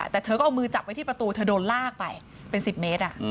แต่เธอก็เอามือจับไว้ที่ประตูเธอโดนลากไปเป็น๑๐เมตร